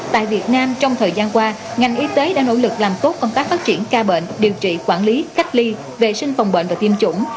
tại việt nam trong thời gian qua ngành y tế đã nỗ lực làm tốt công tác phát triển ca bệnh điều trị quản lý cách ly vệ sinh phòng bệnh và tiêm chủng